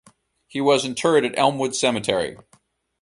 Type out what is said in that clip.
He was interred at Elmwood Cemetery.